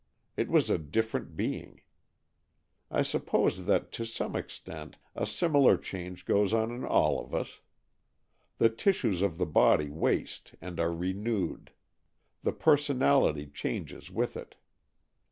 It was a different being. I suppose that to some ex tent a similar change goes on in all of us. The tissues of the body waste and are renewed. The personality changes with it.